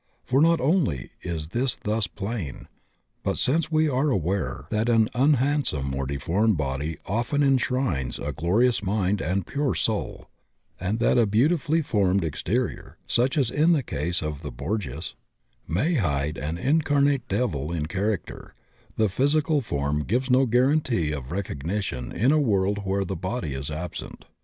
For not only is this thus plain, but since we are aware that an un handsome or deformed body often enshrines a glorious mind and pure soul, and that a beautifully formed exterior — ^such as in the case of the Borgias — ^may 72 THE OCEAN OF THEOSOPHY hide an incarnate devil in character, the physical form gives no guarantee of recognition in that world where the body is absent.